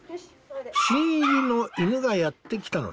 新入りの犬がやって来たのだ。